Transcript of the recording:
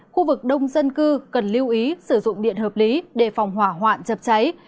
khu vực đông dân cư cần lưu ý sử dụng điện hợp lý để phòng hỏa hoạn chập cháy